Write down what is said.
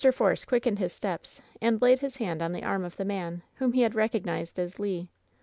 Force quickened his steps and laid his hand on the arm of the man, whom he had recognized as Le.